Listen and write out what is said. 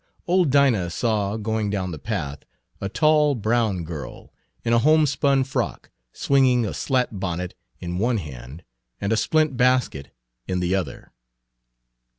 Old Dinah saw, going down the path, a tall, brown girl, in a homespun frock, swinging a slat bonnet in one hand and a splint basket in the other.